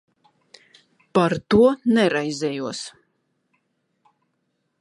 Par to neraizējos.